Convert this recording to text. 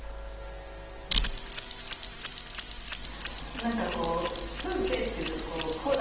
何かこう風景っていうとこうこうだ！